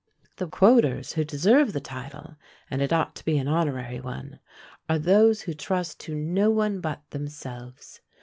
The Quoters who deserve the title, and it ought to be an honorary one, are those who trust to no one but themselves.